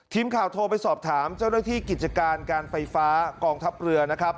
ทีมข่าวโทรไปสอบถามเจ้าหน้าที่กิจการการไฟฟ้ากองทัพเรือนะครับ